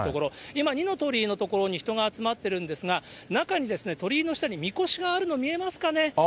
今、二の鳥居の所に人が集まっているんですが、中に鳥居の下にみこしがあるの見えますかね。